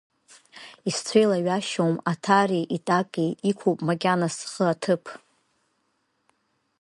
Исцәеилаҩашьом Аҭареи Итакеи, иқәуп макьана схы аҭыԥ.